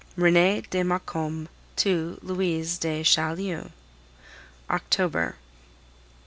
RENEE DE MAUCOMBE TO LOUISE DE CHAULIEU October.